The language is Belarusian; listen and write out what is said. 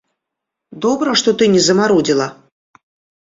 Добра, што ты не замарудзіла!